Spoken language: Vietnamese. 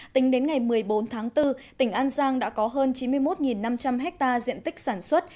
tính đến ngày một mươi bốn tháng bốn tỉnh an giang đã có hơn chín mươi một năm trăm linh ha diện tích sản xuất